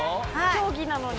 競技なのに。